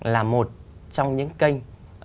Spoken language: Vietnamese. là một trong những kênh